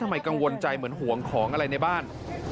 ทำไมกังวลใจเหมือนห่วงของอะไรในบ้าน